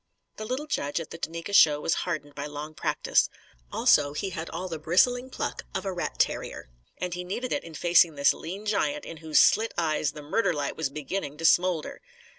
The little judge at the Duneka show was hardened by long practice. Also, he had all the bristling pluck of a rat terrier. And he needed it in facing this lean giant in whose slit eyes the murder light was beginning to smoulder.